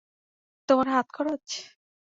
তোমার হাত খরচ!